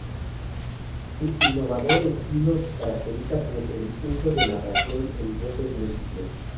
Su innovador estilo se caracteriza por el uso de narración en voces múltiples.